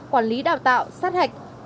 quản lý đào tạo sát hạch